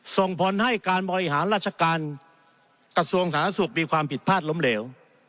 ส่งผลให้การบริหารราชการกระทรวงสาธารณสุขมีความผิดพลาดล้มเหลว